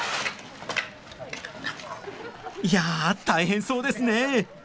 いや大変そうですねえ。